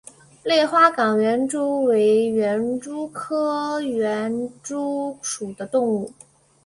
类花岗园蛛为园蛛科园蛛属的动物。